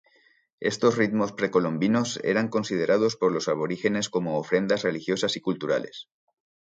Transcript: Estos ritmos precolombinos eran considerados por los aborígenes como ofrendas religiosas y culturales.